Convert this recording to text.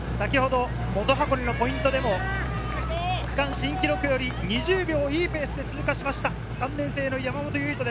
元箱根のポイントでも区間新記録より２０秒いいペースで通過しました３年生・山本唯翔。